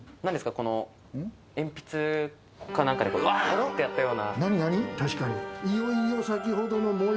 あの鉛筆かなんかで、わっとやったような。